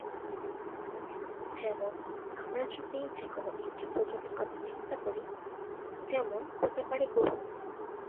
যেমন: আমরা যদি যেকোন একটি প্রজাতির কথা চিন্তা করি, যেমন: হতে পারে গরু।